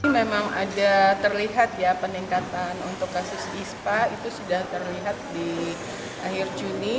memang ada terlihat ya peningkatan untuk kasus ispa itu sudah terlihat di akhir juni